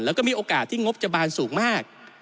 แล้วก็มีโอกาสที่งบจะบานสูงมาก